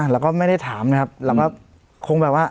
เราก็ไม่ได้ถามนะครับเราก็คงแบบว่า